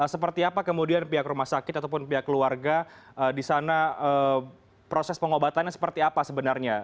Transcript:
seperti apa kemudian pihak rumah sakit ataupun pihak keluarga di sana proses pengobatannya seperti apa sebenarnya